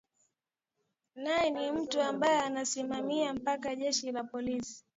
nae ni mtu ambae anasimamia mpaka jeshi la polisi